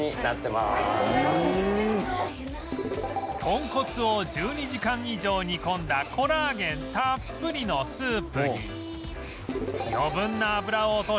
豚骨を１２時間以上煮込んだコラーゲンたっぷりのスープに